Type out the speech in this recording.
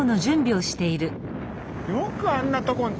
よくあんなとこに。